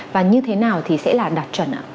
và như thế nào thì sẽ là đạt chuẩn ạ